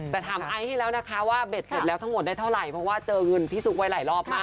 ไปถามแล้วนะคะว่าเสร็จแล้วทั้งหมดได้เท่าไหร่เพราะว่าเจอเงินที่สุดไว่หลายรอบ